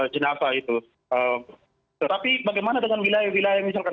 jenasa itu tapi bagaimana dengan wilayah wilayah misalkan